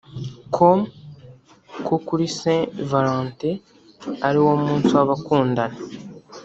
com ko kuri Saint Valentin ari wo munsi w'abakundana